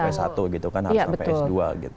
gak cukup s satu gitu kan harus s dua gitu